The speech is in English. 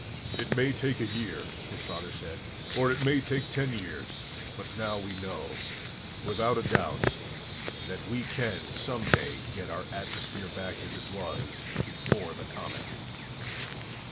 "It may take a year," his father said, "or it may take 10 years, but now we know, without a doubt, that we can someday get our atmosphere back as it was before the comet."